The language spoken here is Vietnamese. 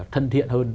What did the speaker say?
thân thiện hơn